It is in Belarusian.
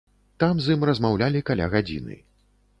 Там з ім размаўлялі каля гадзіны.